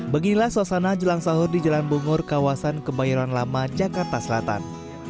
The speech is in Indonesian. beginilah suasana jelang sahur di jalan bungur kawasan kebayoran lama jakarta selatan